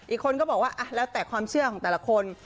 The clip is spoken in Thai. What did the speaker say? อีกคนก็บอกว่าแล้วแต่ความเชื่อของแต่ละคน